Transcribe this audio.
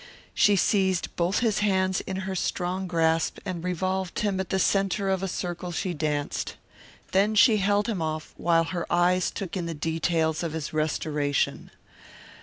She seized both his hands in her strong grasp and revolved him at the centre of a circle she danced. Then she held him off while her eyes took in the details of his restoration.